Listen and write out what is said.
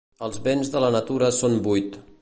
Els béns de la natura són vuit.